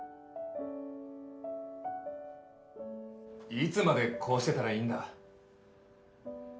いつまでこうしてたらいいんだ？